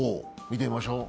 見てみましょう。